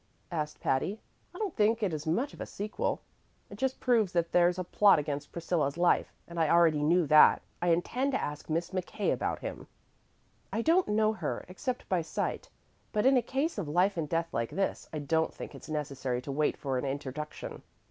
asked Patty. "I don't think it is much of a sequel. It just proves that there's a plot against Priscilla's life, and I already knew that. I intend to ask Miss McKay about him. I don't know her, except by sight, but in a case of life and death like this, I don't think it's necessary to wait for an introduction."